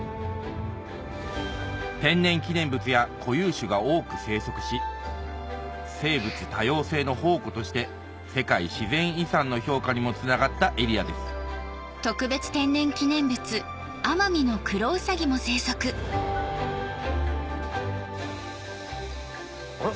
天然記念物や固有種が多く生息し生物多様性の宝庫として世界自然遺産の評価にもつながったエリアですあれ？